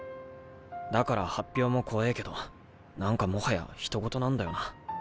だから発表も怖ぇけどなんかもはやひと事なんだよな。